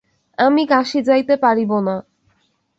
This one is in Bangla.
আমি কাশী যাইতে পারিব না।